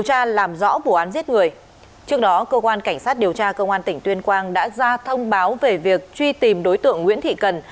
trước đó cơ quan cảnh sát điều tra công an tỉnh tuyên quang đã ra thông báo về việc truy tìm đối tượng nguyễn thị cần